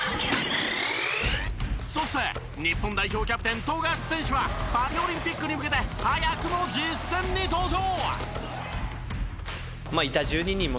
そして日本代表キャプテン富樫選手はパリオリンピックに向けて早くも実戦に登場！